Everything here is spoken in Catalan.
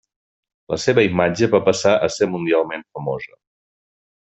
La seva imatge va passar a ser mundialment famosa.